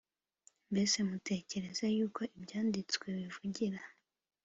Mbese mutekereza yuko ibyanditswe bivugira